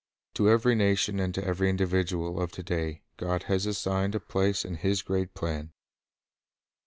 To every nation and to every individual of to day God has assigned a place in His great plan.